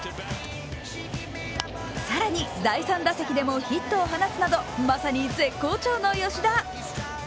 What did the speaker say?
更に第３打席でもヒットを放つなどまさに絶好調の吉田。